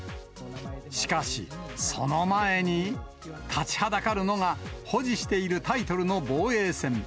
しかし、その前に、立ちはだかるのが、保持しているタイトルの防衛戦。